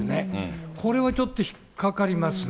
これはちょっと、引っ掛かりますね。